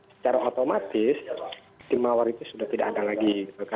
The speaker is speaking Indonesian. secara otomatis tim mawar itu sudah tidak ada lagi